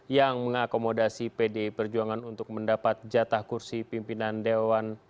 yang mengakomodasi pd perjuangan untuk mendapat jatah kursi pimpinan dewan